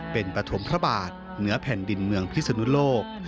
เป็นปฐมพระบาทเหนือแผ่นดินเมืองพิศนุโลก